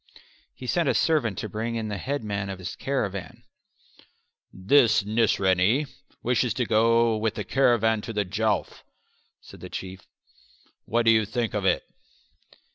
He sent a servant to bring in the headman of his caravan. "This Nisraney wishes to go with the caravan to the Jowf," said the Chief. "What do you think of it?"